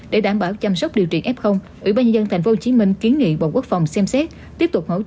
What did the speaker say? để đảm bảo chăm sóc điều trị f ủy ban nhân dân tp hcm kiến nghị bộ quốc phòng xem xét